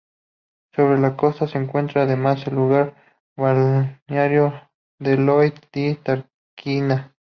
Sobre la costa se encuentra además el lugar balneario de Lido di Tarquinia.